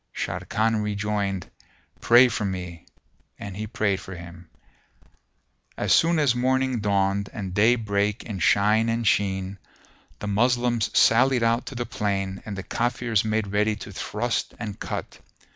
Sharrkan rejoined, "Pray for me," and he prayed for him. As soon as morning dawned and day brake in shine and sheen, the Moslems sallied out to the plain and the Kafirs made ready to thrust and cut.